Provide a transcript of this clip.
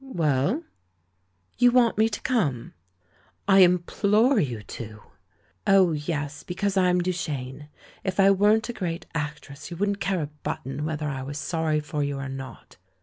"Well?" "You want me to come?'* "I implore you to!" "Oh, yes, because I'm Duchene! If I weren't a great actress, you wouldn't care a button whether I was sorry for you or not.